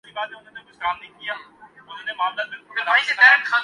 ایک وقت ایسا تھا۔